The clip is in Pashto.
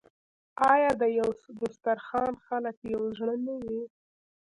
آیا د یو دسترخان خلک یو زړه نه وي؟